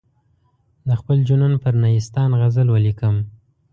د خپل جنون پر نیستان غزل ولیکم.